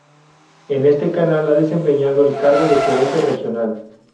En este canal ha desempeñado el cargo de Gerente Regional.